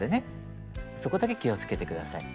そこだけ気をつけて下さい。